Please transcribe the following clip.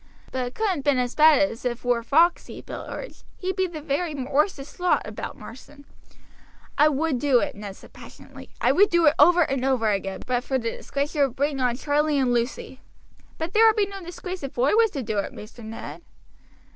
"But it couldn't been as bad as if wur Foxey," Bill urged, "he be the very worsest lot about Marsden." "I would do it," Ned said passionately; "I would do it over and over again, but for the disgrace it would bring on Charlie and Lucy." "But there would be no disgrace if oi was to do it, Maister Ned."